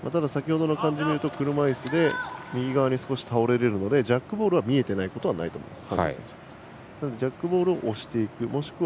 ただ先ほどの感じを見ると車いすで少し右側に倒れられるのでジャックボールを見えてないことはないと思います。